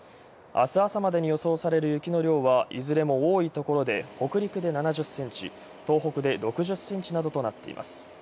明日朝までに予想される雪の量はいずれも多いところで北陸で７０センチ東北で６０センチなどとなっています。